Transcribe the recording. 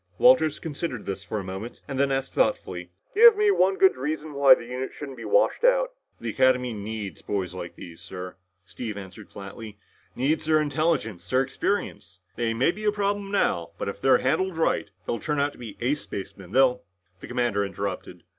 Walters considered this for a moment and then asked thoughtfully, "Give me one good reason why the unit shouldn't be washed out." "The academy needs boys like this, sir," Steve answered flatly. "Needs their intelligence, their experience. They may be a problem now, but if they're handled right, they'll turn out to be ace spacemen, they'll " The commander interrupted.